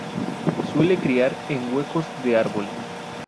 Suele criar en huecos de árboles.